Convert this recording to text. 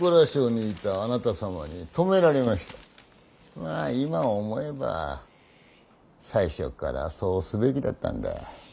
まあ今思えば最初からそうすべきだったんだ。